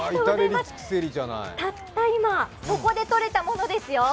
たった今ここでとれたものですよ。